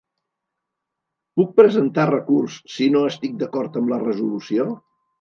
Puc presentar recurs si no estic d'acord amb la resolució?